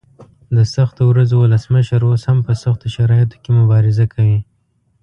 د سختو ورځو ولسمشر اوس هم په سختو شرایطو کې مبارزه کوي.